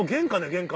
玄関。